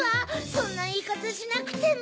そんないいかたしなくても。